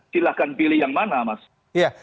silahkan pilih yang mana mas